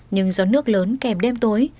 nhưng do nước lớn kèm đêm tối